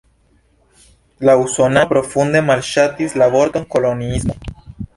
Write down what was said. La usonanoj profunde malŝatis la vorton "koloniismo".